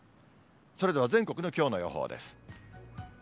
それでは全国のきょうの予報です。